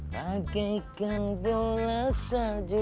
pakaikan bola salju